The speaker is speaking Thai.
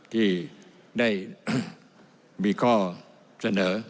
ที่ได้มีข้อเสนอ